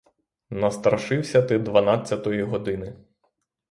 Настрашився ти дванадцятої години.